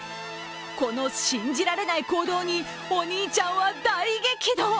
この信じられない行動にお兄ちゃんは大激怒。